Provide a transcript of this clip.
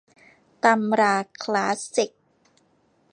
ตำราคลาสสิก